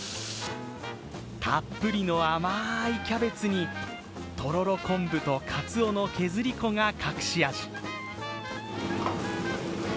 たっぷりの甘いキャベツにとろろ昆布とかつおの削り粉が隠し味。